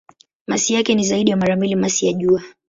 Masi yake ni zaidi ya mara mbili ya masi ya Jua.